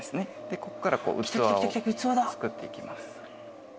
ここから器を作っていきます。